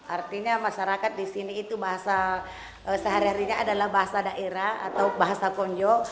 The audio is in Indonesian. artinya masyarakat di sini itu bahasa sehari harinya adalah bahasa daerah atau bahasa konjo